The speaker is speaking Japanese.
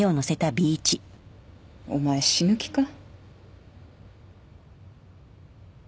お前死ぬ気か？